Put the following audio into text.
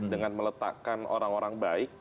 dengan meletakkan orang orang baik